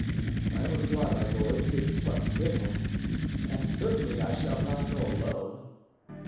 "I reply, my lord, 'tis but little, as certainly I shall not go alone."